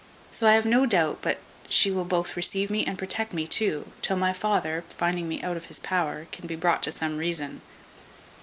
So I have no doubt but she will both receive me and protect me too, till my father, finding me out of his power, can be brought to some reason."